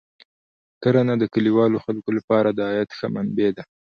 کرنه د کلیوالو خلکو لپاره د عاید ښه منبع ده.